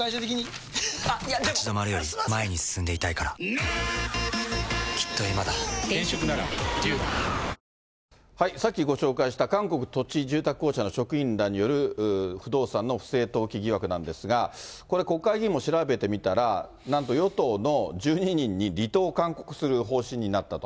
さっきご紹介しました、さっきご紹介した韓国土地住宅公社の職員らによる不動産の不正登記疑惑なんですが、これ、国会議員も調べてみたら、なんと与党の１２人に離党を勧告する方針になったと。